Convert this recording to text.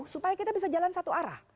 supaya kita bisa jalan satu arah